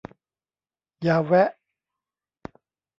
อย่าแวะ